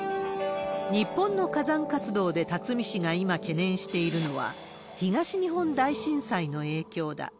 日本の火山活動で、巽氏が今懸念しているのは、東日本大震災の影響だ。